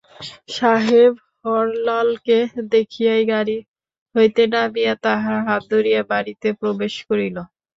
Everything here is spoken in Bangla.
সাহেব হরলালকে দেখিয়াই গাড়ি হইতে নামিয়া তাহার হাত ধরিয়া বাড়িতে প্রবেশ করিল।